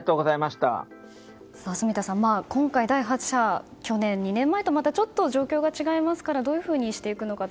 住田さん、今回第８波去年、２年前とちょっと状況が違いますからどういうふうにしていくのか。